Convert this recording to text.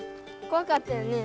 こわかったよね。